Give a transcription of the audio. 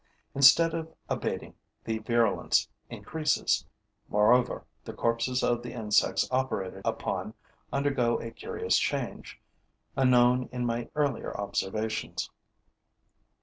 Instead of abating, the virulence increases. Moreover, the corpses of the insects operated upon undergo a curious change, unknown in my earlier observations.